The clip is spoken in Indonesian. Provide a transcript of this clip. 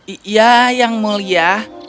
iya yang mulia